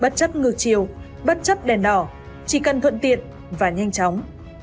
bất chấp ngược chiều bất chấp đèn đỏ chỉ cần thuận tiện và nhanh chóng